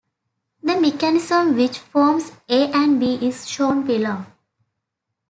The mechanism which forms A and B is shown below.